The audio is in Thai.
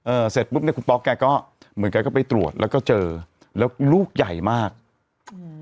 เสร็จปุ๊บเนี้ยคุณป๊อกแกก็เหมือนกันก็ไปตรวจแล้วก็เจอแล้วลูกใหญ่มากอืม